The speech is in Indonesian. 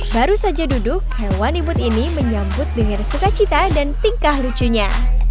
baru saja duduk hewan imut ini menyambut dengan sukacita dan tingkah lucunya